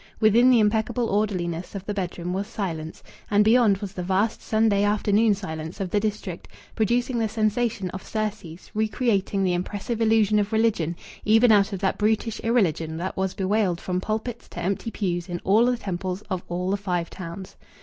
Within the impeccable orderliness of the bedroom was silence; and beyond was the vast Sunday afternoon silence of the district, producing the sensation of surcease, re creating the impressive illusion of religion even out of the brutish irreligion that was bewailed from pulpits to empty pews in all the temples of all the Five Towns.